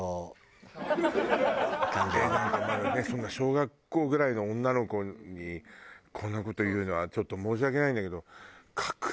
えっなんかまだねそんな小学校ぐらいの女の子にこんな事を言うのはちょっと申し訳ないんだけど。